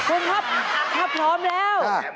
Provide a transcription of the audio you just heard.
ออกไป